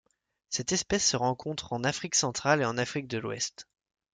Cette espèce se rencontre en Afrique centrale et en Afrique de l'Ouest.